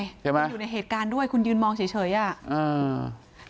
ใช่ไหมคุณอยู่ในเหตุการณ์ด้วยคุณยืนมองเฉยเฉยอ่ะอ่า